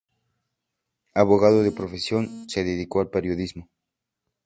Abogado de profesión, se dedicó al periodismo.